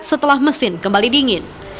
setelah mesin kembali dingin